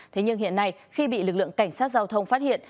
thế nhưng hiện nay khi bị lực lượng cảnh sát giao thông phát hiện